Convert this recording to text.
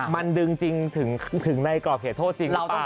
มันดึงจริงถึงในกรอบเขตโทษจริงหรือเปล่า